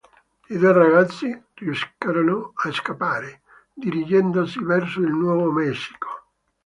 I due ragazzi riusciranno a scappare, dirigendosi verso il Nuovo Messico.